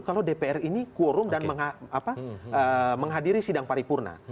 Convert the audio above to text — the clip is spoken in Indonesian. kalau dpr ini quorum dan menghadiri sidang paripurna